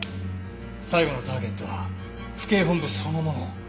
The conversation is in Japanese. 最後のターゲットは府警本部そのもの。